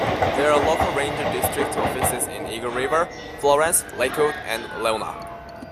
There are local ranger district offices in Eagle River, Florence, Lakewood, and Laona.